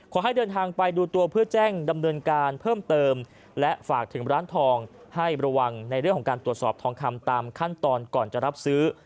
ขอให้เดินทางไปดูตัวเพื่อแจ้งดำเนินการเพิ่มเติมและฝากถึงร้านทองให้ระวังในเรื่องของการตรวจสอบทองคำตามขั้นตอนก่อนจะรับซื้อ